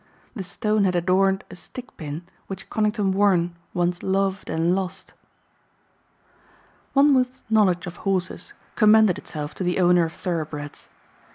The stone had adorned a stick pin which Conington Warren once loved and lost. Monmouth's knowledge of horses commended itself to the owner of thoroughbreds.